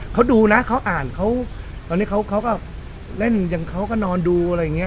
เขาดูนะเขาอ่านเขาตอนนี้เขาก็เล่นอย่างเขาก็นอนดูอะไรอย่างนี้